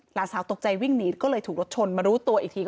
หลานสาวตกใจวิ่งหนีก็เลยถูกรถชนมารู้ตัวอีกที